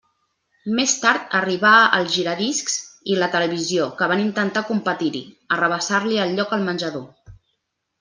Més tard arribà el giradiscs i la televisió, que van intentar competir-hi, arrabassar-li el lloc al menjador.